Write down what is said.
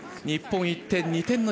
日本１点。